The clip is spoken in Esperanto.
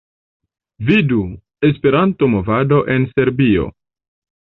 Vidu: "Esperanto-movado en Serbio"